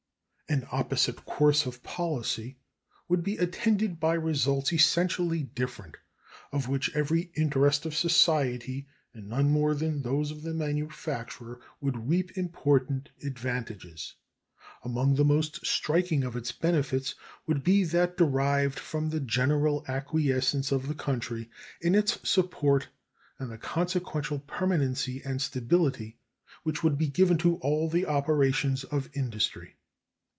An opposite course of policy would be attended by results essentially different, of which every interest of society, and none more than those of the manufacturer, would reap important advantages. Among the most striking of its benefits would be that derived from the general acquiescence of the country in its support and the consequent permanency and stability which would be given to all the operations of industry.